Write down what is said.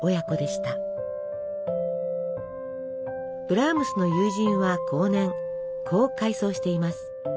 ブラームスの友人は後年こう回想しています。